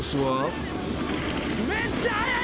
速いめっちゃ速い。